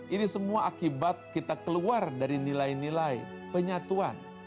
ini semua akibat kita keluar dari nilai nilai penyatuan